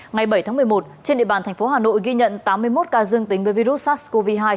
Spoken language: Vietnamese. ngày bảy tháng một mươi một trên địa bàn thành phố hà nội ghi nhận tám mươi một ca dương tính với virus sars cov hai